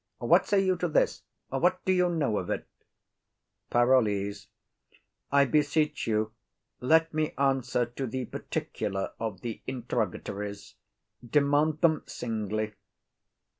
What say you to this? What do you know of it? PAROLLES. I beseech you, let me answer to the particular of the inter'gatories. Demand them singly.